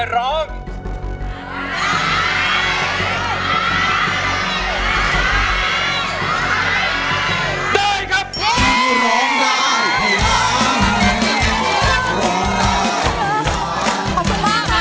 ขอบคุณมากค่ะ